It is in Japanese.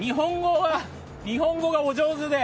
日本語がお上手で。